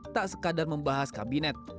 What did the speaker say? tak sekadar membahas kabinet